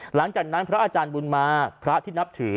หลังจากนั้นพระอาจารย์บุญมาพระที่นับถือ